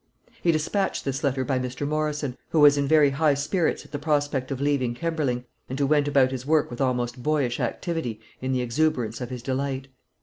He despatched this letter by Mr. Morrison, who was in very high spirits at the prospect of leaving Kemberling, and who went about his work with almost boyish activity in the exuberance of his delight.